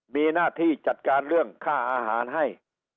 มีหน้าที่จัดการเรื่องค่าอาหารให้